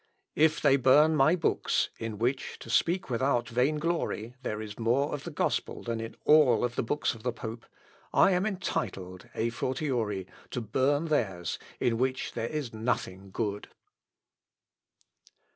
If they burn my books, in which, to speak without vain glory, there is more of the gospel than in all the books of the pope, I am entitled, a fortiori, to burn theirs, in which there is nothing good."